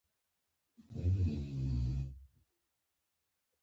د طبیعي سرچینو مدیریت ډېر متفاوت و.